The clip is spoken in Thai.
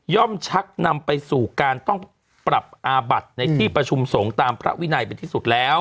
ชักนำไปสู่การต้องปรับอาบัติในที่ประชุมสงฆ์ตามพระวินัยเป็นที่สุดแล้ว